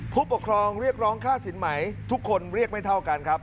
ผู้ปกครองเรียกร้องค่าสินไหมทุกคนเรียกไม่เท่ากันครับ